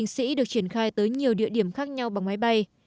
binh sĩ được triển khai tới nhiều địa điểm khác nhau bằng máy bay